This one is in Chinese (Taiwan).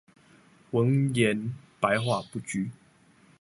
文言、白話不拘